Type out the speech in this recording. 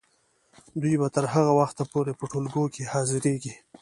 دوی به تر هغه وخته پورې په ټولګیو کې حاضریږي.